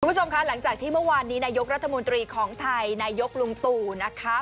คุณผู้ชมคะหลังจากที่เมื่อวานนี้นายกรัฐมนตรีของไทยนายกลุงตู่นะคะ